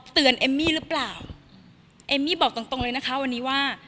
เอมมี่หรือเปล่าเอมมี่บอกตรงตรงเลยนะคะวันนี้ว่า